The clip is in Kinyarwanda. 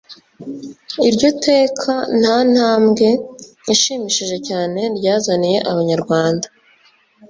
iryo teka nta ntambwe ishimishije cyane ryazaniye abanyarwanda